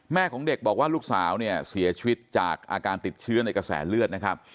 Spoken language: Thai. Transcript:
ของเด็กบอกว่าลูกสาวเนี่ยเสียชีวิตจากอาการติดเชื้อในกระแสเลือดนะครับ